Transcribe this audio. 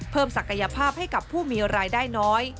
ศักยภาพให้กับผู้มีรายได้น้อย